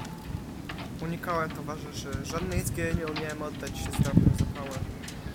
"Unikałem towarzyszy, żadnej z gier nie umiałem oddać się z dawnym zapałem."